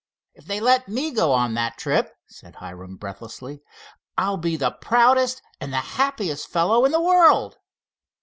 "If they let me go on that trip," said Hiram, breathlessly, "I'll be the proudest and the happiest fellow in the world."